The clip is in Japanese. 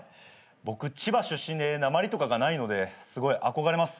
僕千葉出身でなまりとかがないのですごい憧れます。